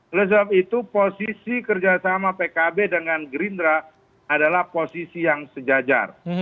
oleh sebab itu posisi kerjasama pkb dengan gerindra adalah posisi yang sejajar